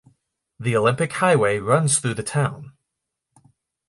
The Olympic Highway runs though the town.